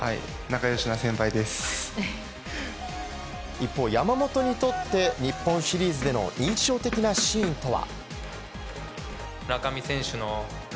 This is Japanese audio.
一方、山本にとって日本シリーズでの印象的なシーンとは。